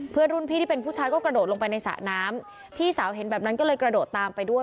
เพื่อนรุ่นพี่ที่เป็นผู้ชายก็กระโดดลงไปในสระน้ำพี่สาวเห็นแบบนั้นก็เลยกระโดดตามไปด้วย